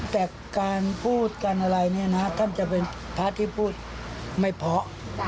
แต่การพูดการอะไรเนี่ยนะท่านจะเป็นพระที่พูดไม่เพราะ